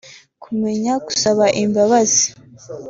Kumenya gusaba imbabazi